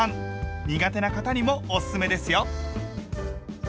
苦手な方にもおすすめですよ。